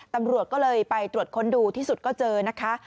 ตำรวจก็เลยไปตรวจค้นดูที่สุดก็เจอนะคะ